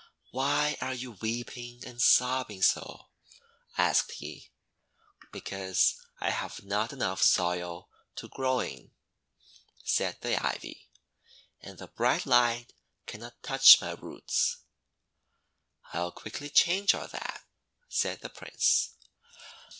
"Why are you weeping and sobbing so?' asked he. "Because I have not enough soil to grow in," 262 THE WONDER GARDEN said the Ivy, "and the bright light cannot touch my roots." 'I'll quickly change all that," said the Prince.